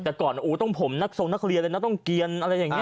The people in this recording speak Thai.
แต่ก่อนต้องผมนักทรงนักเรียนเลยนะต้องเกียรอะไรอย่างนี้